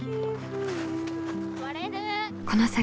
この先